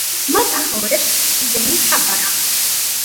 მას ახმოვანებს რემი კაბაკა.